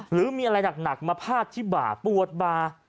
หรือมีอะไรหนักมาพาดที่บ่าปวดบ่า